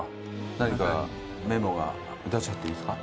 何かメモが出しちゃっていいですか？